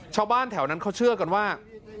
ชาวบ้านแถวนั้นเขาเชื่อกันว่า